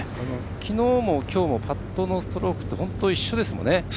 きのうもきょうもパットのストロークって本当に一緒ですもんね。